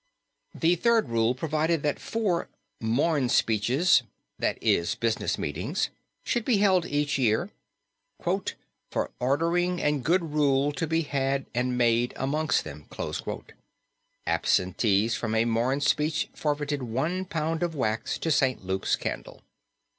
The third rule provided that four "mornspeeches" that its business meetings should be held each year, "for ordering and good rule to be had and made amongst them." Absentees from a mornspeech forfeited one pound of wax to St. Luke's candle.